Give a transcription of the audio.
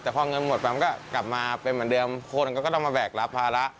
แต่พอเงินหมดไปมันก็กลับมาเป็นเหมือนเดิมคนก็ต้องมาแบกรับภาระ